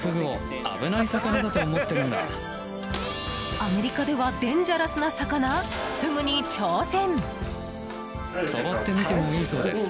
アメリカではデンジャラスな魚フグに挑戦！